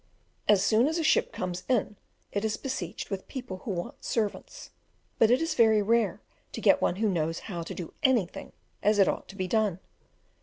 As soon as a ship comes in it is besieged with people who want servants, but it is very rare to get one who knows how to do anything as it ought to be done.